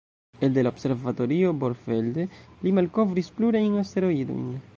Elde la Observatorio Brorfelde, li malkovris plurajn asteroidojn.